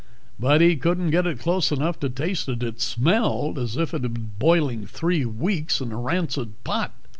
But he couldn't get it close enough to taste it. It smelled as if it had been boiling three weeks in a rancid pot.